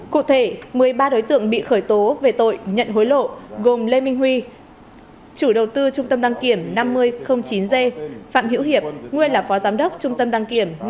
cụ thể một mươi ba đối tượng bị khởi tố về tội nhận hối lộ gồm lê minh huy chủ đầu tư trung tâm đăng kiểm năm nghìn chín g phạm hiễu hiệp nguyên là phó giám đốc trung tâm đăng kiểm năm nghìn chín g